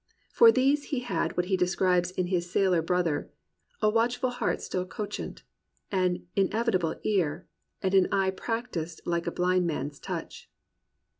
For these he had what he describes in his sailor brother, "a watchful heart Still couchant, an inevitable ear, And an eye practiced like a blind man's touch."